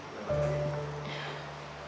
tadi roman mau ke rumah